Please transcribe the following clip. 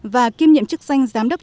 và kiêm nhiệm chức danh giám đốc